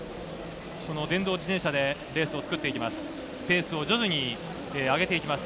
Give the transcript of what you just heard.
電動自転車でレースを作っていきます。